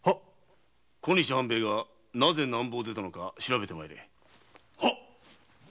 小西半兵衛がなぜ南部を出たのか調べて参れ。